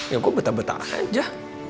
ya kok betah betah aja